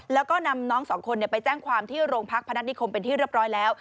แล้วก็นำน้องสองคนไปแจ้งความที่โรงพักพนัฐนิคมเป็นที่เรียบร้อยแล้ว